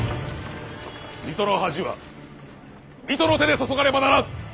水戸の恥は水戸の手で雪がねばならん！